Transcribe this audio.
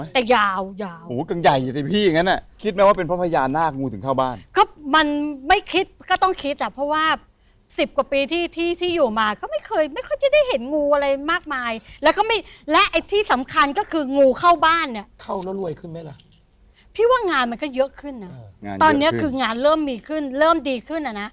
ตัวใหญ่ไหมตัวตัวก็อยู่ประมาณซักสองนิ้วแบบนี้ค่ะ